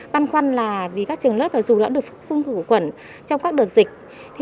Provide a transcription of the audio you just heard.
văn khoăn là vì các trường lớp dù đã được phục vụ khử quẩn trong các đợt dịch